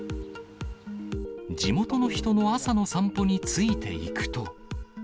地元の人の朝の散歩についていくと。